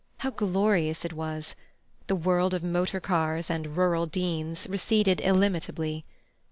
How glorious it was! The world of motor cars and rural Deans receded inimitably.